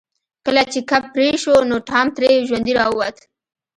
کله چې کب پرې شو نو ټام ترې ژوندی راووت.